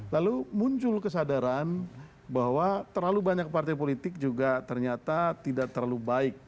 lalu muncul kesadaran bahwa terlalu banyak partai politik juga ternyata tidak terlalu baik